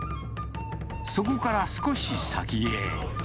そこから少し先へ。